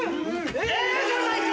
『ええじゃないか』